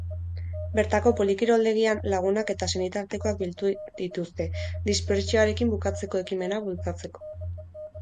Bertako polikiroldegian lagunak eta senitartekoak bildu dituzte, dispertsioarekin bukatzeko ekimena bultzatzeko.